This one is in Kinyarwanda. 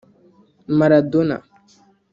Maradona